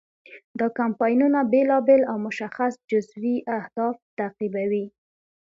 دا کمپاینونه بیلابیل او مشخص جزوي اهداف تعقیبوي.